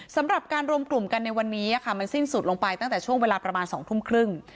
สำหรับการรวมกลุ่มกันในวันนี้มันสิ้นสุดลงไปตั้งแต่ช่วงเวลาประมาณ๒ทุ่มครึ่ง